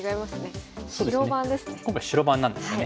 今回白番なんですよね。